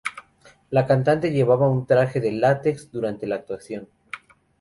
La cantante llevaba un traje de látex durante la actuación.